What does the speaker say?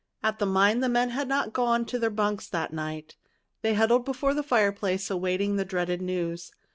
At the mine the men had not gone to their bunks that night. They huddled before the fireplace, awaiting the dreaded news.